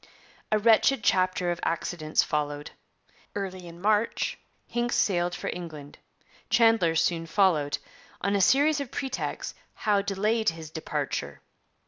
A wretched chapter of accidents followed. Early in March Hincks sailed for England; Chandler soon followed; on a series of pretexts Howe delayed his departure.